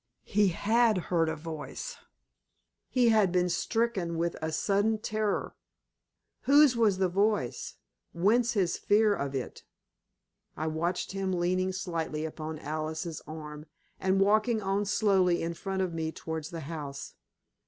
He had heard a voice. He had been stricken with a sudden terror. Whose was the voice whence his fear of it? I watched him leaning slightly upon Alice's arm, and walking on slowly in front of me towards the house.